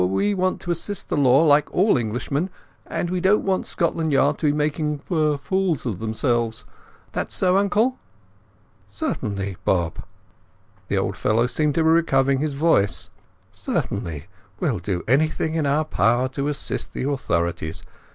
We want to assist the law like all Englishmen, and we don't want Scotland Yard to be making fools of themselves. That's so, uncle?" "Certainly, Bob." The old fellow seemed to be recovering his voice. "Certainly, we'll do anything in our power to assist the authorities.